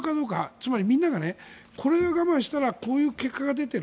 つまりみんながそれを我慢したからこういう結果が出ている。